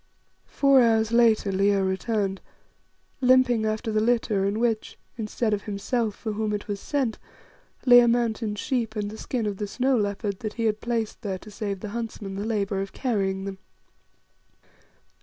Four hours later Leo returned, limping after the litter in which, instead of himself, for whom it was sent, lay a mountain sheep and the skin of the snow leopard that he had placed there to save the huntsmen the labour of carrying them.